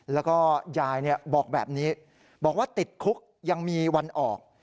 แล้วก็ยายบอกแบบนี้บอกว่าติดคุกยังมีวันออก